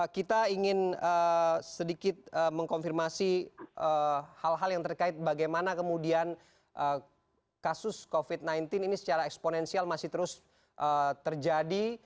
kita ingin sedikit mengkonfirmasi hal hal yang terkait bagaimana kemudian kasus covid sembilan belas ini secara eksponensial masih terus terjadi